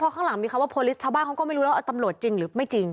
ข้างหลังมีคำว่าโพลิสชาวบ้านเขาก็ไม่รู้แล้วตำรวจจริงหรือไม่จริง